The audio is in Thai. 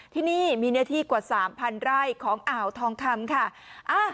ที่นี่มีเนื้อที่กว่า๓๐๐ไร่ของอ่าวทองคำค่ะ